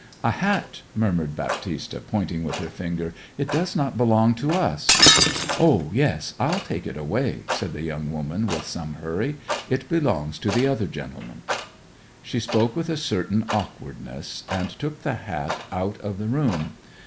'A hat!' murmured Baptista, pointing with her finger. 'It does not belong to us.' 'O yes, I'll take it away,' said the young woman with some hurry. 'It belongs to the other gentleman.' She spoke with a certain awkwardness, and took the hat out of the room.